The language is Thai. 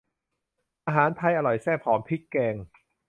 อาหารไทยอร่อยแซ่บหอมพริกแกง